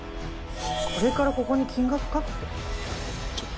これからここに金額書くってこと？